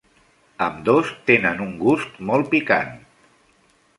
Ambdós tenen un gust molt picant.